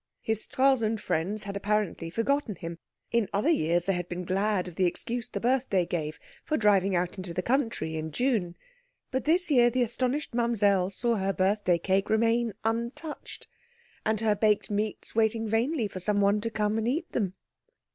His Stralsund friends had apparently forgotten him; in other years they had been glad of the excuse the birthday gave for driving out into the country in June, but this year the astonished Mamsell saw her birthday cake remain untouched and her baked meats waiting vainly for somebody to come and eat them.